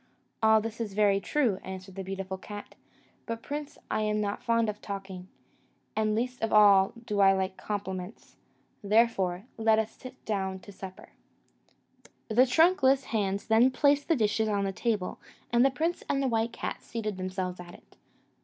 "All this is very true," answered the beautiful cat; "but, prince, I am not fond of talking, and least of all do I like compliments; let us therefore sit down to supper." The trunkless hands then placed the dishes on the table, and the prince and white cat seated themselves at it.